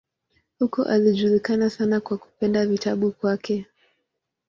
Huko alijulikana sana kwa kupenda vitabu kwake.